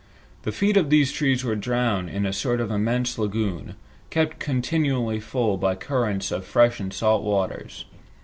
The feet of these trees were drowned in a sort of immense lagoon, kept continually full by currents of fresh and salt waters.